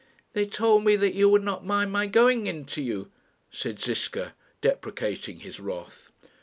"They told me that you would not mind my going in to you," said Ziska, deprecating his wrath.